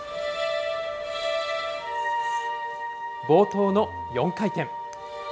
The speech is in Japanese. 冒頭の４回転。